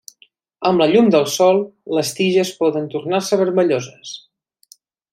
Amb la llum del sol, les tiges poden tornar-se vermelloses.